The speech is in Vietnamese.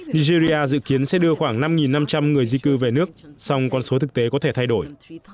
nigeria dự kiến sẽ đưa khoảng năm năm trăm linh người di cư về nước song con số thực tế có thể thay đổi